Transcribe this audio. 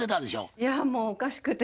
いやもうおかしくて。